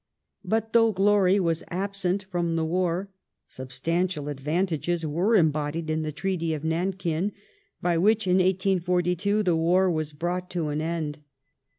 But though glory was absent from the war, substantial advantages were embodied in the Treaty of Nankin by which, in 184J2, the war was brought to an end.